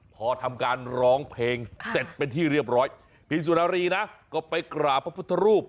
พอทำการร้องเพลงเสร็จเป็นที่เรียบร้อยพี่สุนารีนะก็ไปกราบพระพุทธรูป